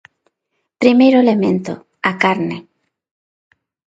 Primeiro elemento: a carne.